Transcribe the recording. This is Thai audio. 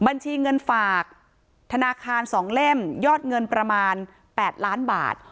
บัญชีเงินฝากธนาคาร๒เล่มยอดเงินประมาณ๘ล้านบาท